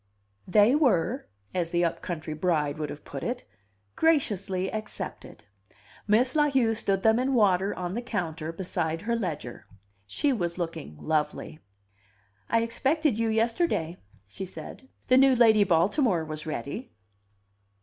They were, as the up country bride would have put it, "graciously accepted." Miss La Heu stood them in water on the counter beside her ledger. She was looking lovely. "I expected you yesterday," she said. "The new Lady Baltimore was ready."